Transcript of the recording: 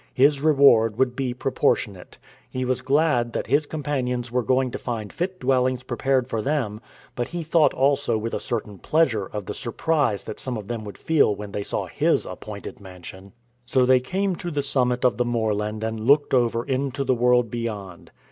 His reward would be proportionate. He was glad that his companions were going to find fit dwellings prepared for them; but he thought also with a certain pleasure of the surprise that some of them would feel when they saw his appointed mansion. So they came to the summit of the moorland and looked over into the world beyond.